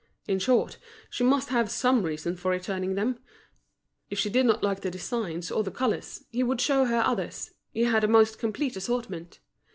In short, she must have some reason for returning them; if she did not like the designs or the colours, he would show her others, he had a most complete assortment.